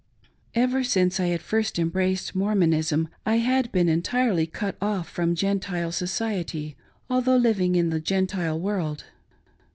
Ever since I had, first embraced Mormonism I had been entirely cut off from Gentile society, although living in the Gentile world.